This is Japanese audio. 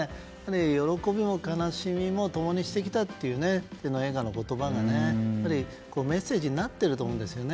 喜びも悲しみも共にしてきたという天皇陛下の言葉がメッセージになっていると思いますね。